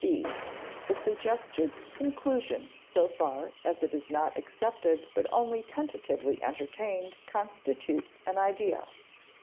(b) The suggested conclusion so far as it is not accepted but only tentatively entertained constitutes an idea.